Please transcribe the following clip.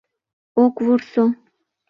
Ок вурсо..